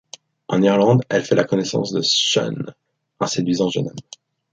En Irlande, elle fait la connaissance de Sean, un séduisant jeune homme.